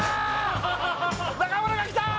中村が来たー！